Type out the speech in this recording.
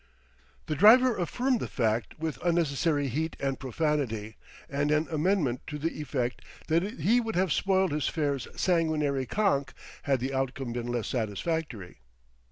The driver affirmed the fact with unnecessary heat and profanity and an amendment to the effect that he would have spoiled his fare's sanguinary conk had the outcome been less satisfactory.